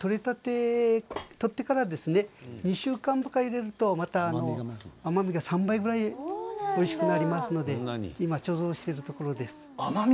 取ってから２週間ばかり入れるとまた甘みが３倍ぐらいおいしくなりますので今、貯蔵しているところです。